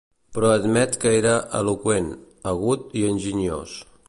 Però admet que era eloqüent, agut i enginyós.